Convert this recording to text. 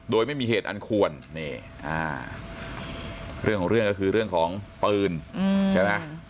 โดยไม่มีเหตุอันควรนี่เรื่องของเรื่องก็คือเรื่องของปืนใช่ไหม